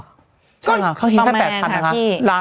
ใช่ค่ะเขาคิดแค่๘๐๐๐บาทนะครับ